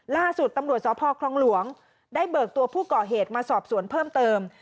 ล่าสุดตำรวจสพคลองหลวงได้เบิกตัวผู้ก่อเหตุมาสอบสวนเพิ่มเติม